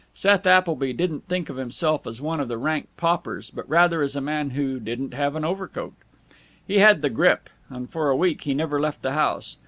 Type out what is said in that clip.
Seth Appleby didn't think of himself as one of the rank of paupers, but rather as a man who didn't have an overcoat. He had the grippe, and for a week he never left the house.